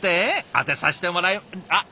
当てさせてもらいあっ！